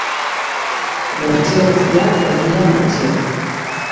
Bertsio guztiak ez dira bertsio.